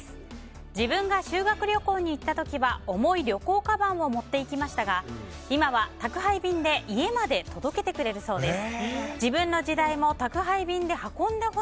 自分が修学旅行に行った時は重い旅行かばんを持っていきましたが今は宅配便で家まで届けてくれるそうです。